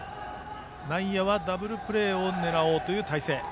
内野、ダブルプレーを狙おうという態勢。